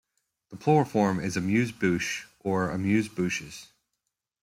The plural form is "amuse-bouche" or "amuse-bouches".